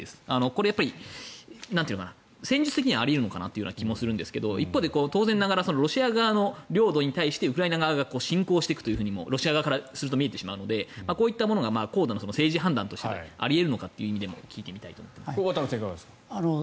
これ、戦術的にはあり得るのかなという気もするんですが一方、当然ながらロシア側の領土に対してウクライナ側が侵攻していくとロシア側からすると見えてしまうのでこういったものが高度な政治判断としてあり得るのかも渡部さん、いかがですか。